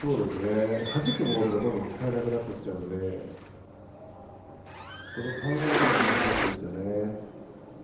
はじくボールが、どんどん使えなくなっていっちゃうので考え方が難しいですね。